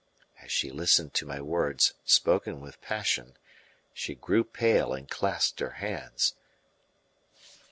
As she listened to my words, spoken with passion, she grew pale and clasped her hands.